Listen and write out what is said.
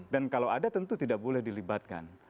dan kalau ada tentu tidak boleh dilibatkan